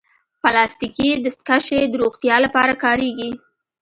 پلاستيکي دستکشې د روغتیا لپاره کارېږي.